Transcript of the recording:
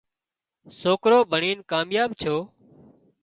سوڪرو ڀڻين ڪامياب ڇو